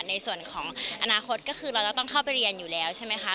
ในส่วนของอนาคตก็คือเราจะต้องเข้าไปเรียนอยู่แล้วใช่ไหมคะ